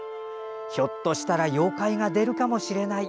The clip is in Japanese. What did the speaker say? ひょっとしたら妖怪が出るかもしれない。